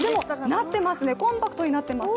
なってますね、コンパクトになってます。